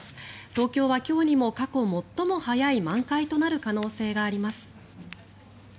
東京は今日にも過去最も早い満開となる可能性があります。